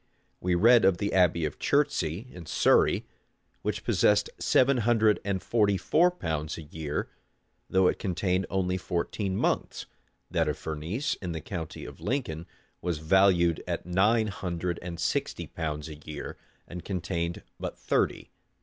We read of the abbey of Chertsey, in Surrey, which possessed seven hundred and forty four pounds a year, though it contained only fourteen monks: that of Furnese, in the county of Lincoln, was valued at nine hundred and sixty pounds a year, and contained but thirty.